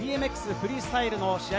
フリースタイルの試合